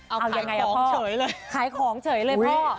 เอายังไงนะพ่อขายของเฉยเลย